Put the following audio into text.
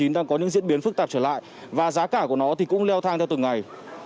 đang có những diễn biến phức tạp trở lại và giá cả của nó thì cũng leo thang theo từng ngày